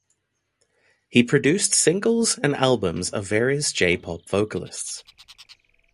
He produced singles and albums for various J-Pop vocalists.